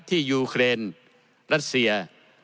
ยูเครนรัสเซีย